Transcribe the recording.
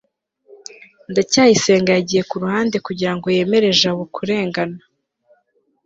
ndacyayisenga yagiye ku ruhande kugira ngo yemere jabo kurengana